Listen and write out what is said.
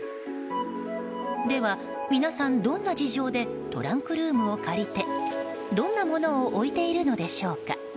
では皆さん、どんな事情でトランクルームを借りてどんなものを置いているのでしょうか。